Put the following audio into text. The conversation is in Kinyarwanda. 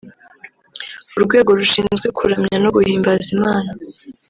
urwego rushinzwe kuramya no guhimbaza Imana